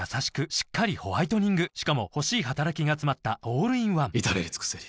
しっかりホワイトニングしかも欲しい働きがつまったオールインワン至れり尽せり